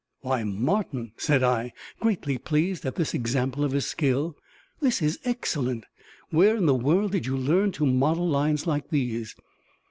"Why, Martin," said I, greatly pleased at this example of his skill, "this is excellent. Where in the world did you learn to model lines like these?"